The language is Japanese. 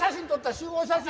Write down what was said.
集合写真！